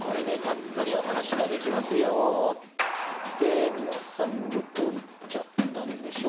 って皆さんどこ行っちゃったんでしょう。